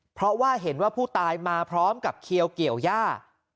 เพราะว่าเห็นว่าผู้ตายมาพร้อมกับเขียวเกี่ยวย่า